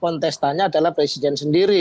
kontestannya adalah presiden sendiri